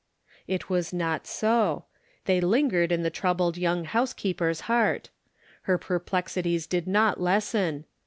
It was not so ; they lingered in the troubled young housekeeper's heart. Her perplexities did not lessen.